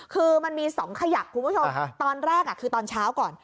คือมันมี๒ขยักคุณผู้ชมตอนแรกคือตอนเช้าก่อน